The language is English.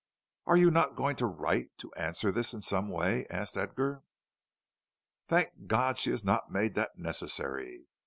"Are you not going to write to answer this in some way?" asked Edgar. "Thank God she has not made that necessary.